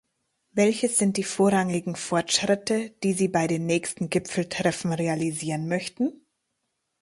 Welches sind die vorrangigen Fortschritte, die Sie bei den nächsten Gipfeltreffen realisieren möchten?